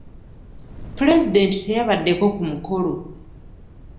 Pulezidenti teyabadde ku mukolo.